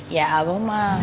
ya abah emang